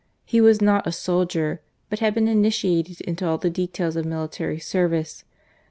He was not a soldier, but had been initiated into all the details of military service.